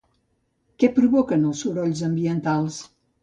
Què provocaven els sorolls ambientals?